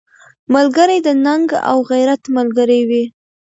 ملګری د ننګ او غیرت ملګری وي